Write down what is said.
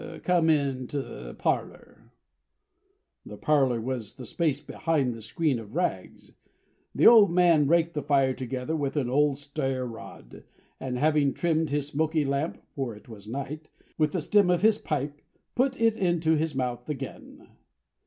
"Come into the parlor." The parlor was the space behind the screen of rags. The old man raked the fire together with an old stair rod, and having trimmed his smoky lamp (for it was night), with the stem of his pipe, put it into his mouth again.